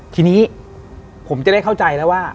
ทีนี้ผมจะได้เข้าใจแล้วว่า